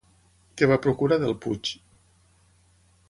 Què va procurar Delpuig?